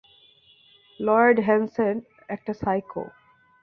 Lloyd Hansen একটা psycho.